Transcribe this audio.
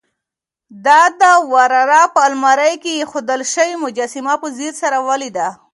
د ده وراره په المارۍ کې اېښودل شوې مجسمه په ځیر سره ولیده.